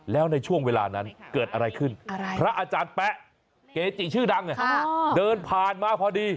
แล้วในช่วงเวลานั้นเกิดอะไรขึ้นพระอาจารย์แป๊ะเกจิชื่อดังเดินผ่านมาพอดี